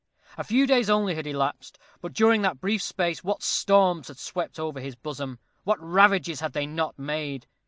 A few days only had elapsed, but during that brief space what storms had swept over his bosom what ravages had they not made!